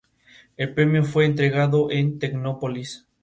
El premio fue entregado en Tecnópolis.